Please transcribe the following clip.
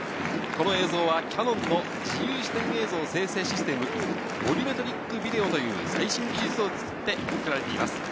この映像はキヤノンと自由視点映像生成システム、ボリュメトリックビデオという最新技術を使って作られています。